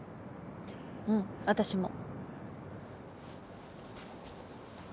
うん私も。